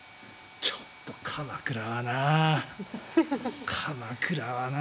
ちょっと鎌倉はな。